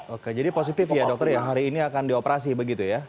oke jadi positif ya dokter ya hari ini akan dioperasi begitu ya